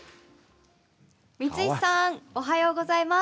光石さんおはようございます。